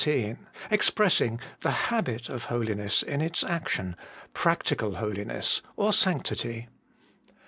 13) expressing the habit of holiness in its action practical holiness or sanctity.